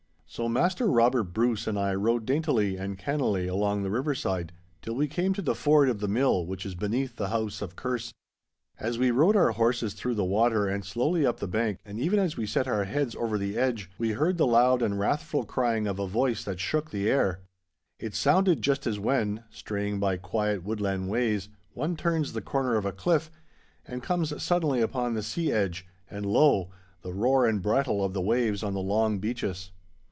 So Master Robert Bruce and I rode daintily and cannily along the riverside, till we came to the ford of the mill which is beneath the house of Kerse. As we rode our horses through the water and slowly up the bank, and even as we set our heads over the edge, we heard the loud and wrathful crying of a voice that shook the air. It sounded just as when, straying by quiet woodland ways, one turns the corner of a cliff and comes suddenly upon the sea edge, and lo! the roar and brattle of the waves on the long beaches.